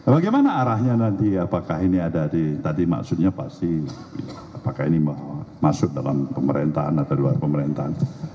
bagaimana arahnya nanti apakah ini ada di tadi maksudnya pasti apakah ini masuk dalam pemerintahan atau luar pemerintahan